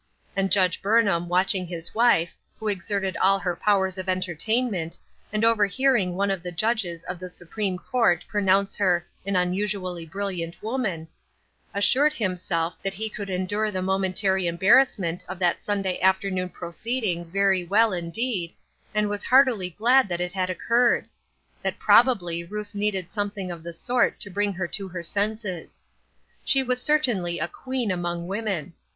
And Judge Burnham, watching his wife, who ex erted all her powers of entertainment, and over hearing one of the judges of the Supreme Court pronounce her " an unusually brilliant woman, " SLIPPERY GROUND. 95 assured himself that he could endure the momen tary embarrassment of that Sunday afternoon pro ceeding very well indeed, and was heartily glad that it had occurred ; that probably Ruth needed something of the sort to bring her to her senses. She was certainly a queen among women.